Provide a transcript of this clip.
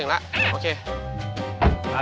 เอาทิศมา